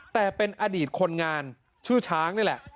แต่เป็นอดีตคนงานชื่อช้างนี่แหละ